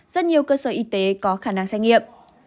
rất nhiều cơ sở y tế có khả năng xét nghiệm